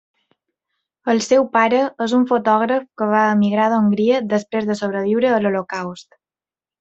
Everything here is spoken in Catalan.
El seu pare és un fotògraf que va emigrar d'Hongria, després de sobreviure a l'Holocaust.